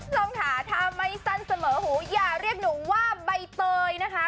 ค่ะถ้าไม่สั้นเสมอหูอย่าเรียกหนูว่าใบเตยนะคะ